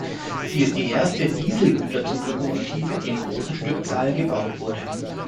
Sie ist die erste Diesel-Güterzuglokomotive, die in großen Stückzahlen gebaut wurde.